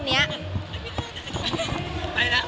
มีใครปิดปาก